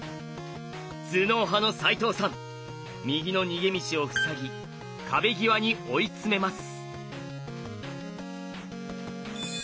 頭脳派の齋藤さん右の逃げ道を塞ぎ壁際に追い詰めます。